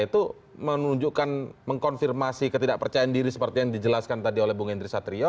itu menunjukkan mengkonfirmasi ketidakpercayaan diri seperti yang dijelaskan tadi oleh bung hendri satrio